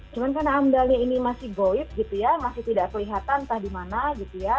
cuma karena amdalnya ini masih goib gitu ya masih tidak kelihatan entah di mana gitu ya